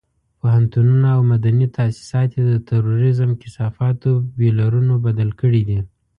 پوهنتونونه او مدني تاسيسات یې د تروريزم کثافاتو بيولرونو بدل کړي دي.